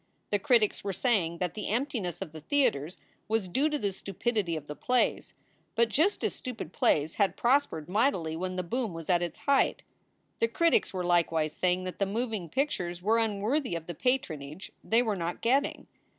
The critics were saying that the emptiness of the theaters was due to the stupidity of the plays, but just as stupid plays had prospered mightily when the boom was at its height. The critics were likewise saying that the moving pictures were unworthy of the patronage they were not getting.